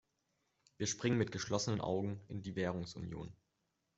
Wir springen mit geschlossenen Augen in die Währungsunion.